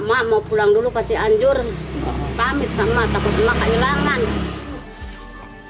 mak mau pulang dulu ke cianjur pamit sama takut emak gak nyilangan